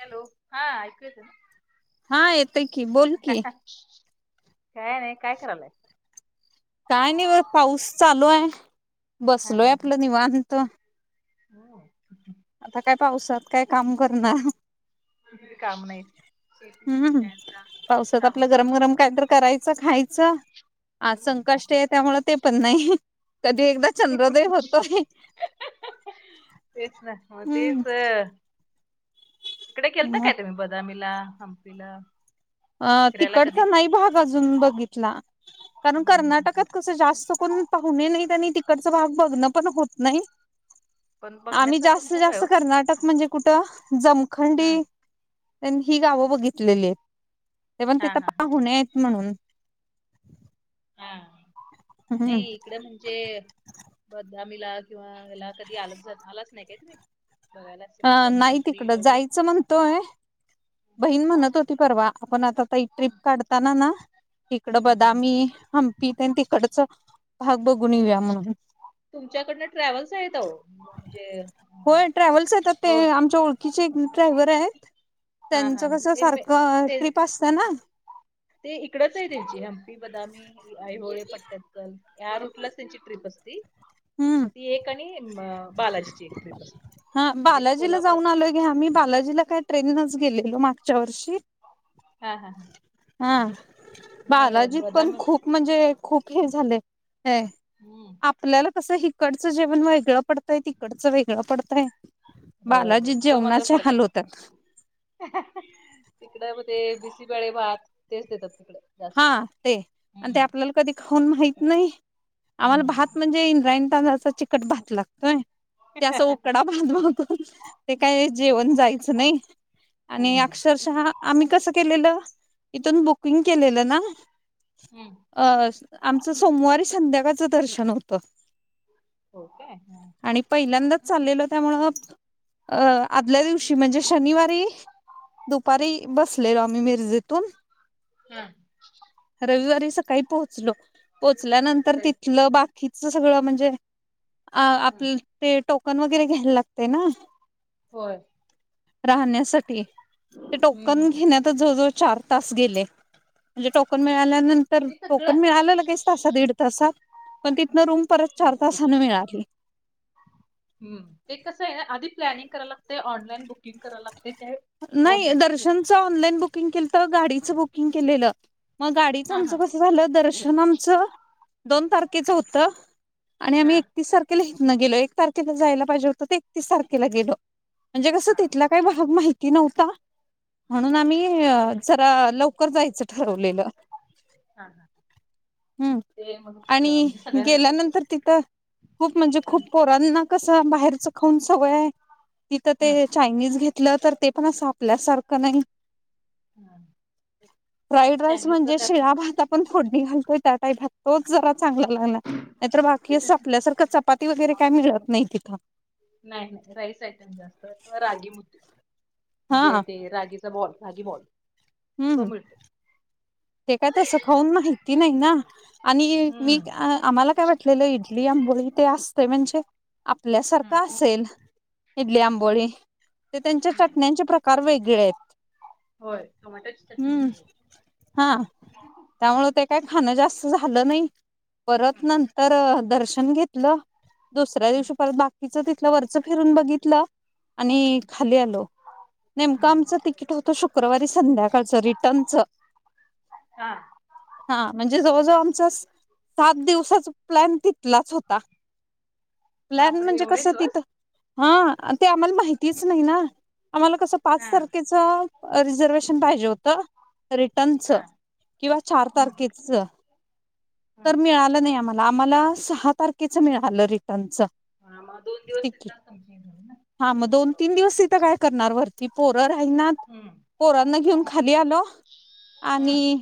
Hello hello ऐकू येतंय का हा येतंय की बोल कि काय नाही काय करायलाय काय नाही पाऊस चालू आहे बसलोय आपलं निवांत हो आता काय पावसात काय काम करणार काम नाही शेतीची पण हम्म काय का पावसात काम आपलं चालू गरम आहेत. गरम काय तर करायचं खायचं हा हम्म. संकट आहे त्यामुळे ते पण नाही कधी एकदा चांद्रदेव होतोय तेसना तेस हम्म इकडे खेळता मग काय तुम्ही बदामीला हंपीला अं फिरायला कधी तिकडचा नाही भाग अजून बघितला कारण हम्म, हम्म, हम्म. कर्नाटकात कसं जास्त कोण पाहणे नाही आणि तिकडचा भाग बघणं पण होत नाही ह आम्ही जास्तीत जास्त कर्नाटक म्हणजे कुठं जमखंडी हम्म. त्यांनी गावं बघितलेली आहेत ते पण हा तिथं हा हा पाहुन म्हणून ह हम्म नाही इकडं म्हणजे ब बदामीला किंवा हला कधी आलं पण जमलंच नाही काय तुम्ही बघायला असं हं नाही बनशंकरीला तिकडं वगैरे जायचं म्हणतोय बहीण म्हणत होती परवा आपण आता त्या ट्रीप काढताना ना तिकडं हम्म, बदामी हम्म, हंपीत तिकडचं भाग बघून येऊया म्हणून तुमच्याकडन ट्रॅव्हल्स आहेत म्हणजे होय ट्रॅव्हल्स येतात ते हो आमच्या ओळखीचे एक ड्रायव्हर आहेत हा हा त्यांचं कसं ते सारखं ते ट्रिप असत ना ते इकडंच आहे त्यांची साधारण बदामी आई होळे पट्टन कल या रूटलाच त्यांची ट्रिप असते हम्म ती एक आणि बालाजीची एक ट्रीप असते हा म्हणजे बालाजीला कोल्हापुरात जाऊन आलोय हं आम्ही बालाजीला काय ट्रेननच गेलेलो मागच्या वर्षी हा हा हा हो नाही बालाजीला पण बदामी खूप म्हणजे खूप हे झाले हो हम्म आपल्याला कसं इकडचं जेवण वेगळं पडतंय तिकडचं वेगळं पडतंय होय हो बालाजी तो मात्र जेवणाचे फरक हाल आहे होतात तिकडं ते बिसी वळे भात तेच देतात तुकडे हा ते आणि ते आपल्याला कधी खाऊन माहित नाही आम्हाला भात हम्म म्हणजे इंद्रायणी तांदळाचा चिकट भात लागतोय ते असं उकडं बनवतो ते काय जेवण जायचं नाही आणि हम्म अक्षरशः आम्ही कसं केलेलं इथून बुकिंग के हम्म आम समज संध्याकाळचं दर्शन होतं हो काय हा आणि पहिल्यांदाच चाललेल त्यामुळे अ आदल्या दिवशी म्हणजे शनिवारी दुपारी बसलेलो म् मिर्जेतून हा. रविवारी सकाळी पोहोचलो पोहोचल्यानंतर तिथलं बाकी च सगळं म्हणजे आप ते टोकन वगैरे घ्यायला लागते ना होय राहण्यासाठी ते हम्म हम्म टोकन हम्म घेण्यात जवळ जवळ चार तास गेले म्हणजे टोकन मिळाल्यानंतर ते सगळं टोकन मिळालं लगेच तासात दीड ताासात पण तिथनं रूम परत चार तासाने मिळाली ह कस आहे आधी प्लॅनिंग कराला लागत ऑनलाइन बुक नाही दर्शनच ऑनलाईन बुकिंग केलं तर गाडीच बुकिंग केलेलं मग गाडीचं हा हा आमचं कस झालं दर्शन आमचं दोन तारखेचं होतं आणि हा आम्ही एकतीस तारखेला हेतनं गेलो एक तारखेला जायला पाहिजे होतं ते एकतीस तारखेला गेलो म्हणजे कस हा तिथ माहिती नव्हता? म्हणून बरोबर. आम्ही जरा लवकर जायचं ठरवलेलं. हा हा हम्म. ते मग अं, आणि म्हणजे सगळ्या जण औषध गेल्यानंतर तिथं खूप म्हणजे हम्म खूप पोरांना कस बाहेरच खाऊन सवय आहे तिथं हम्म ते चायनीज घेतलं तर ते पण आपल्यासारखं नाही. हम्म. नाही फ्राईड राईस चायनीज म्हणजे प्रकार शिळा भात आपण फोडणी घालतोय त्या टाइप भात तोच जरा चांगला लागला नाहीतर बाकी आपल्यासारखं चपाती वगैरे काय मिळत नाही तिथं. नाही, नाही राईस आयटम जास्त किंवा रागी मिळतय म्हणजे हा ते रागीचा बॉल. भागी बॉल हम्म तो मिळतो. ते काय तसं खाऊन माहिती नाही ना आणि हम्म मी आम्हाला काय वाटलेलं इडली, आं बोळी ते असतय म्हणजे आपल्यासारखं हम्म असेल इडली, हम्म आंबोळी ते त्यांच्या नाही चटण्यांची प्रकार प्रकार वेगळे येत. होय, टोमॅटोची चटणी [unintelligible] हा त्यामुळे ते काय खाणं जास्त झालं नाही, परत हम्म नंतर दर्श दर्शन घेतलं दुसऱ्या हम्म दिवशी परत बाकीच तिथलं वरचं फिरून बघितलं. आणि हम्म खाली आलो नेमकं हम्म. आमचं तिकीट होत शुक शुक्रवारी संध्याकाळच रिटर्नचं हा हा म्हणजे जवळ जवळ आमच सात दिवसाच प्लँन तिथलाच होता. प्लॅन बापरे म्हणजे एवढे कसं दिवस तिथं हा ते आम्हाला माहितीच नाही ना? आम्हाला कसं पाच हा तारखेच रिझर्वेशन पाहिजे होतं, रि नच हा किंवा चार हा तारखेच तर मिळालं नाही आम्हाला, आम्हाला सहा तारखेच मिळालं रिटर्नच. हा, मग दोन दिवस तिकीट [unintelligible] हा मग दोन तीन दिवस तिथं काय करणार वरती पोर राहिनात. हम्म पोरांना घेऊन खाली आलो. हम्म आणि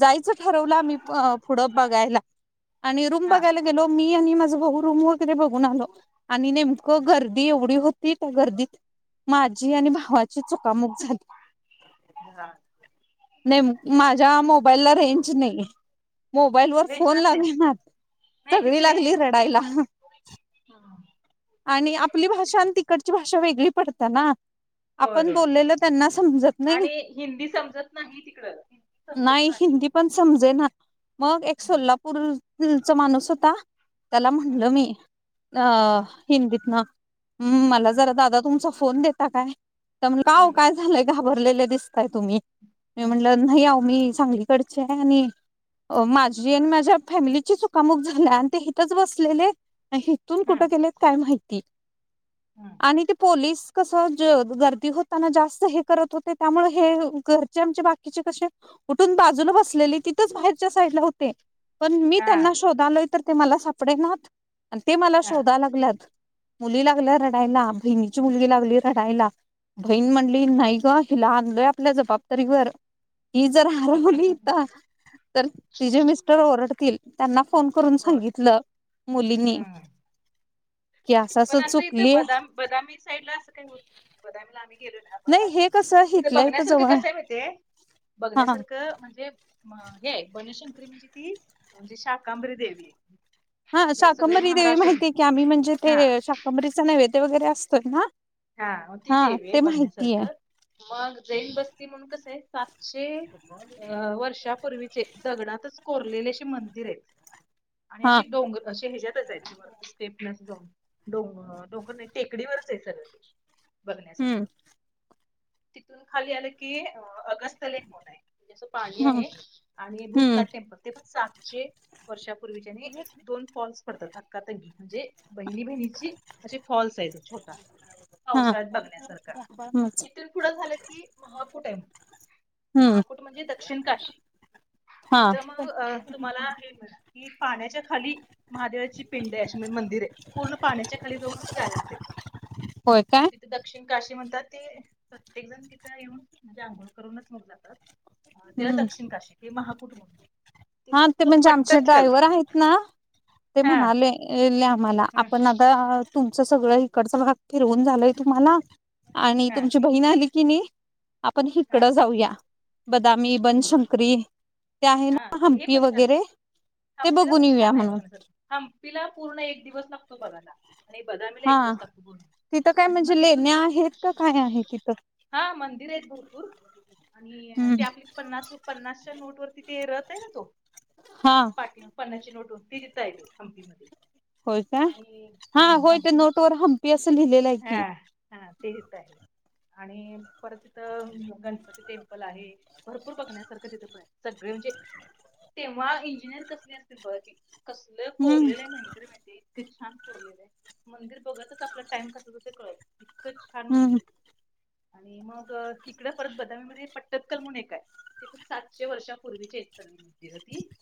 जायचं ठरवलं आम्ही पुढं बघायला. आणि रुम हा बघायला गेलो मी आणि माझा भाऊ रूम वगैरे बघून आलो, आणि नेमकं गर्दी एवढी होती त्या गर्दीत माझी आणि भावाची चुकामुक झाली. हा नाही माझ्या मोबाईलला रेंज नाही, मोबाईल वर रेंज फोन नसते लागणा. नाही सगळी तिथे रेंज लागली नसते. रडायला. आणि आपली भाषा आणि तिकडची भाषा वेगळी पडत्या ना? [inaudible] आपण होय बोललेलं त्यांना समजत आणि नाही हिंदी समजत नाही तिकड, हिंदी समजत नाही. पण समजे ना मग एक हा सोलापूर च माणूस होता त्याला म्हटलं मी अ हा हिंदीत न हम् मला जरा दादा तुमचा फोन देता काय तर म्हणला आवो काय झालंय घाबरलेले दिसताय तुम्ही? मी म्हटलं नाही आव मी सांगलीकडची आहे आणि अ माझी आणि माझ्या फॅमिलीची चुकामुक झाल्या आणि ते हिथच बसलेले? हिथून कुठे गेलेत काय माहिती आणि ते पोलीस कस गर्दी होताना जास्त हे करत होते त्यामुळे हे घरचे आमचे बाकीचे कसे उठून बाजूला बसलेलीत, तिथंच बाहेरच्या साईडला होते? पण मी त्यांना शोधालोय तर ते मला सापडेनात, आणि ते मला शोधायल्यात मुली लागल्या हो रडायला, बहिणीची मुलगी लागली रडायला. बहीण म्हणली नाही ग हिला आणलोय आपल्या जबाबदारीवर हीच जर हारवली इथं तर तिचे मिस्टर ओरडतील त्यांना फोन करून सांगितल मुलींनी. पण असं इथं बदामी बदामी साईडला असं काही होत बदामीला आम्ही? गेलो ना नाही हे बदामी कसं तिथे हथलंय तर बघण्यासारखं जवळ. कसं आहे माहितीये हा बघण्यासारखं म्हणजे हे बोनेशन. म्हणजे त म्हणजे शाकांबरी देवी, हा ते सगळे शाकंबरी देवी महाराष्ट्रात माहितीे? की आम्ही म्हणजे ते हा शाकंबरीच नैवेद्य वगैरे असतोय ना हा ती देवी आहे ते माहितीय बघण्यासारखं मग जैन बसती म्हणून कसं आहे सात. शे अ वर्षापूर्वीचे दगडातच कोरलेले असे मंदिर आहेत. आणि हा अे डोंगर असे हच्यात. ्टेप जाऊन डो नाही टेकडीवरच आहे सांगते.. हम्म बघण्यासारख तिथून खाली आलं की गस्ती, पाणी हम्म आहे आणि हम्म भूतनाथ टेम्पल ते पण सातशे वर्षा पूर्वी एक दोन फॉल्स पडतात क्कााती म्हणजे बहिणी बहिणीची असे फॉल्स आहेत छोट, टा. हा पावसाळ्यात बघण्यासारख इिथून पुढं झालं कि महा कुठे आहे? हम्म महाकूट म्हणजे दक्षिण काशी हा तिथं मग तुम्हाला हे म्हणा पाण्याच्या खाली? महादेवाची पिंड आहे अशी म्हणजे मंदिर आहे पूर्ण पाण्याच्या खाली जाऊनच जायला लागते. होय आणि काय तिथे दक्षिण काशी मंदिर आता ते प्रत्येक जण तिथं येऊन म्हणजे आंघोळ करूनच मग जातात! त्याला हम्म दक्षिण काशी हे महाकुटबं. हा ते म्हणजे आमचे ड्रायव्हर आहेत ना ते हा म्हणाले? मला हा आपण आता तुमचं सगळं इकडचा भाग फिरवून झालाय तुम्हाला, आणि हा तुमची बहीण आली की नाही आपण हा हिकडं जाऊया. बदामी बर बनशंकरी ते आहे हा ना हे हंपी पण छान आहे वगैरे, ते हम्पीला बघून पण येऊया छान आहे म्हणून बघण्या सर हम्पीला पूर्ण एक दिवस लागतो बघायला. आणि बदामीला हा एक दिवस लागतो पूर्ण तिथं काय आणि मग म्हणजे तिथून लेण्या पुढ- आहेत का काय आहे तिथं? हा मंदिर आहेत भरपूर. हम्म. न्ना पन्नासच्या नोट वरती ते रत आहे ना तो हा पा पन्नास नोट व. देता येते हंपीमध्येध्ये. होय का हा होय ते हम्पी नोट व हंपी असं लिहिलेलं आहे हा की. हा तेच आहे आणि, परत इथ गणपती टेम्पल आहे.. भरपूर बघण्यासारखं तिथं ब सगळे म्हणजे, तेव्हा इंजिनिअर कसले असतील बघा की. कसलं हम्म कोरलेलं आहे म्हणत माहिती? छान कोरलेले आहे मंदिर बघतच आपला टाइम कसच कळेल नाही. इतक छान हम्म मंदिर आणि मग इकड परत बदामीमध्ये पट्टत्कल म्हणून एक. तेण सातशे वर्षापूर्वीचे एकती होती?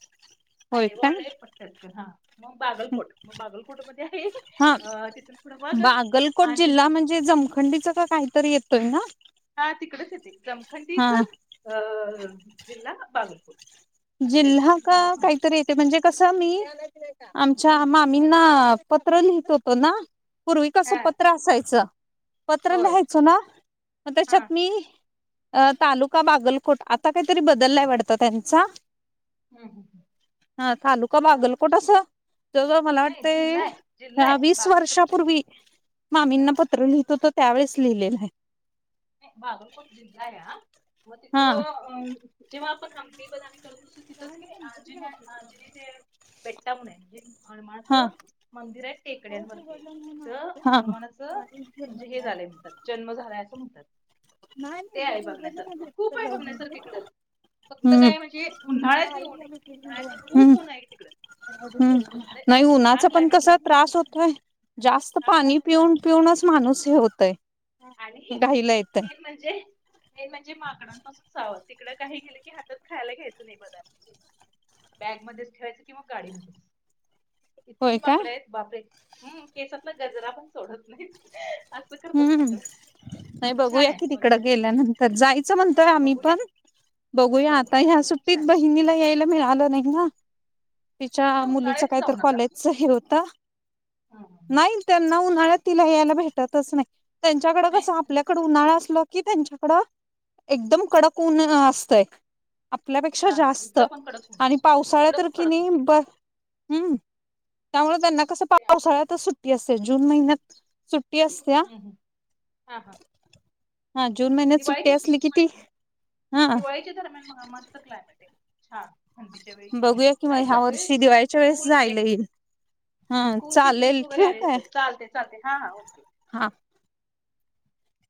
होय आहे काय वळलं पटत हा मग बागलकोट मग बागलकोट मध्ये आहे. हा पुढं बागलकोट मग जिल्हा म्हणजे जमखंडीचा का काहीतरी येतोय ना? हा तिकडच येते हा जमखंडीचच. [unintelligible] जिल्हा असं काहीतरी जिल्हा आहे. का मला पण काहीतरी येते म्हणजे कसे मी आमच्या मामींना, पत्र लिहित होतो ना पूर्वी कसं हा पत्र असायचं. पत्र होय लिहायचं ना हा त्याच्यात मी. तालुका बागलकोट आता काहीतरी बदललाय वाटत त्यांचा. हा तालुका बागलकोट असे. जवळ मला नाही वाटते जिल्हा आहे जिल्हा आहे वीस बागलकोट जिल्हा वर्षापूर्वी मामींना आहे. पत्र लिहित होत. त्यावेेळेस लिहिलेलं आहे. बागलकोट जिल्हा आहे मग हा तिथं अ जेव्हा आपण हंपी बदामी. कर त ति क आंज आंजणी ते बेठ. म्हणजे हा हनुमानाचे मंदिर आहे टेकड्यांवरती तर हा हनुमानाचं म्हणजे हे झालंय म्हणतात जन्म झालाय असं म्हणतात ते आहे बघण्यासारखं खूप आहे बघण्यासारखं इकडे फक्त हम्म काय म्हणजे उन्हाळ्याच होऊन आहे उन्हाळ्याच खूप ऊन आहे तिकडे हम्म नाही उन्हाचा पण कसा चांग त्रास होतोय जास्त हा पाणी क्लायमेट पिऊन चांगला पिऊनच माणूस हे होतय आणि घाईला येतय मेन म्हणजे मेन म्हणजे माकडांपासून सावध तिकड काही गेलं की हातात खायला घ्यायचं नाही बगा बॅगमध्येध्येच ठेवायच किंवा गाडीमध्येच इतकी होय काय माकड आहेत बापरे हम् केसातला गजरा पण सोडत नाही हम्म नाही छान बघूया आहे की तिकड बघण्यासारखं आहे गेल्यानंतर जायचं म्हणतोय आम्ही बघून या पण बघूया बघून आता या खूप छान सुट्टीत आहे बहिणीला यायला मिळालं नाही ना तिच्या फक्त मुलीच उन्हाळ्याच कायतरी जाऊ नका कॉलेजच हे होते हम्म नाही त्यांना उन्हाळ्यात तिला यायला भेटतच नाही त्यांच्याकडे कसं नाही आपल्याकडे उन्हाळा असले कि त्यांच्याकडे एकदम कडक ऊन असतेय आपल्यापेक्षा हा हा जास्त इकडं पण कडक ऊन आणि पावसाळ्यात इकडं पण कि कडक ऊन नाही बर हम्म त्यामुळे त्यांना कस पावसाळ्यातच सुट्टी असते जून महिन्यात सुट्टी असत्या हम्म हम्म हा हा हा जून महिन्यात सुट्टी दिवाळीच्या असली कि ती हा दिवाळीच्या दरम्यान बिघाड मस्त क्लायमेट आहे छान थंडीच्या वेळी क नाही बघूया कि आणि मग ह्या सगळे वर्षी दिवाळीच्या वेळेस स्कूल चे जायला येईल. हा चालेल ठेव का आहे चालते हा हा ओके हा